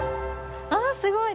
あすごい！